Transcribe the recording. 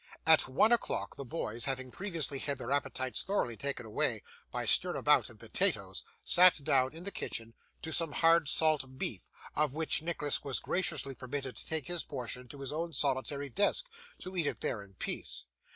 At one o'clock, the boys, having previously had their appetites thoroughly taken away by stir about and potatoes, sat down in the kitchen to some hard salt beef, of which Nicholas was graciously permitted to take his portion to his own solitary desk, to eat it there in peace.